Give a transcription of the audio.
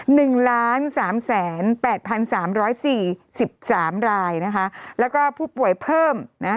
หนึ่งล้านสามแสนแปดพันสามร้อยสี่สิบสามรายนะคะแล้วก็ผู้ป่วยเพิ่มนะ